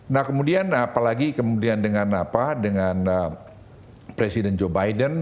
nah kemudian apalagi kemudian dengan presiden joe biden